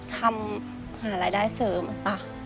ทำผ่านรายได้เสริมอะตะ